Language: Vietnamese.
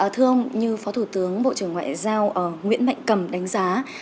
thưa ông như phó thủ tướng bộ trưởng ngoại giao nguyễn mạnh cầm đánh giá